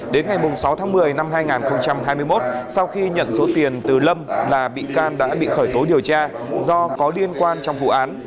đến ngày sáu tháng một mươi năm hai nghìn hai mươi một sau khi nhận số tiền từ lâm là bị can đã bị khởi tố điều tra do có liên quan trong vụ án